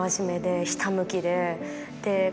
ひたむきで。